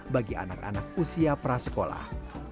bagi anak anak usia prasekolah